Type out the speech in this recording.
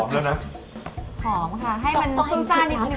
แล้วก็ตำช้อนลงไปด้วย